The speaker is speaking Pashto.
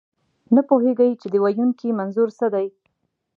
نه پوهېږئ، چې د ویونکي منظور څه دی.